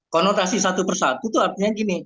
konotasi satu persatu itu artinya gini